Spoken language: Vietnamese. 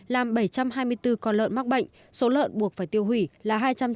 làm bảy trăm hai mươi bốn con lợn mắc bệnh số lợn buộc phải tiêu hủy là hai trăm chín mươi bảy con